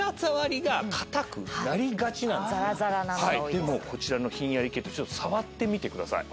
でもこちらのひんやりケット触ってみてください。